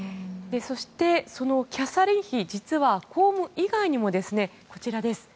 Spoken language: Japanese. キャサリン妃は実は、公務以外にもこちらです。